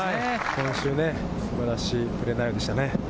今週、素晴らしいプレー内容でしたね。